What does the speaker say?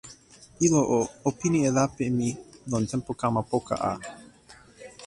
ilo o, o pini e lape mi lon tenpo kama poka a.